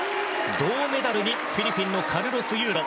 銅メダルにフィリピンのカルロス・ユーロ。